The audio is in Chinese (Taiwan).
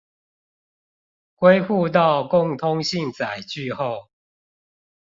歸戶到共通性載具後